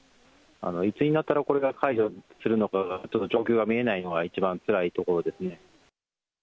いつになったらこれが解除するのかが、ちょっと状況が見えないのが、一番つらいところですね。